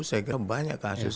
saya kira banyak kasus